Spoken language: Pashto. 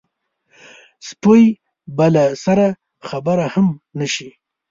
سپۍ به له سره خبره هم نه شي.